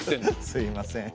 すいません。